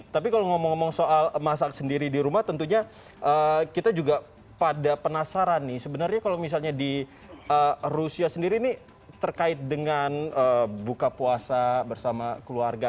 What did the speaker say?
tapi kalau ngomong ngomong soal masak sendiri di rumah tentunya kita juga pada penasaran nih sebenarnya kalau misalnya di rusia sendiri ini terkait dengan buka puasa bersama keluarga